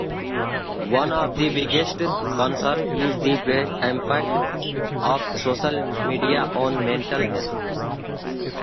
One of the biggest concerns is the impact of social media on mental health.